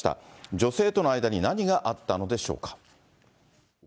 女性との間に何があったのでしょうか。